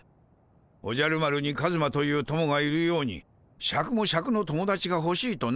おじゃる丸にカズマという友がいるようにシャクもシャクの友達がほしいとな。